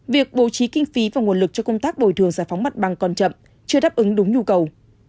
việc bổ trí kinh phí và nguồn lực cho công tác bồi thường giải phóng mặt băng con chậm chưa đáp ứng đúng nhu cầu